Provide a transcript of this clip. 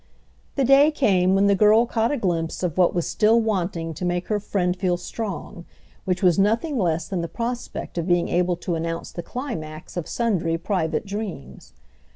The day came when the girl caught a glimpse of what was still wanting to make her friend feel strong; which was nothing less than the prospect of being able to announce the climax of sundry private dreams.